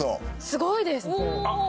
すごいです！